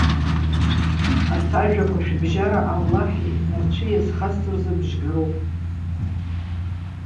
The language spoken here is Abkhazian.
Арҭ ажәақәа, шәыбжьара Аллаҳи нарцәи азхазҵо рзы бжьгароуп.